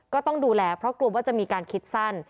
ก็ต้องดูแลเพราะกลัวว่าจะมีการคิดสั้น